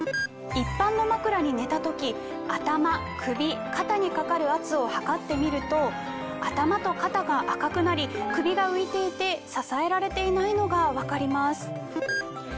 一般の枕に寝た時頭首肩にかかる圧を測ってみると頭と肩が赤くなり首が浮いていて支えられていないのが分かります。